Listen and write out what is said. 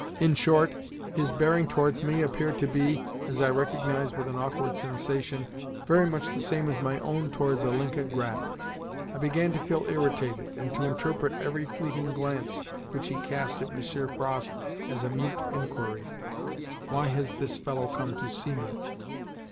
In short, his bearing towards me appeared to be (as I recognised with an awkward sensation) very much the same as my own towards Ilinka Grap. I began to feel irritated, and to interpret every fleeting glance which he cast at Monsieur Frost as a mute inquiry: "Why has this fellow come to see me?"